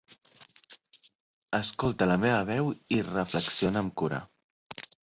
Escolta la meva veu i reflexiona amb cura.